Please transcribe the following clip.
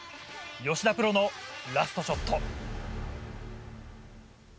吉田プロのラストショット。